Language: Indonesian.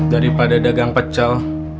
daripada dagang pecel